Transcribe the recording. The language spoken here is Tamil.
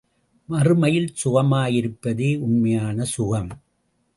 மறுமையில் சுகமாயிருப்பதே உண்மையான சுகம்.